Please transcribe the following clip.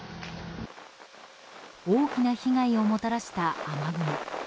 大きな被害をもたらした雨雲。